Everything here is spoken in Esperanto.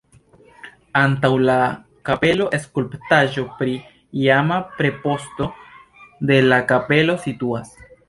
Antaŭ la kapelo skulptaĵo pri iama preposto de la kapelo situas.